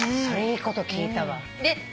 それいいこと聞いたわ。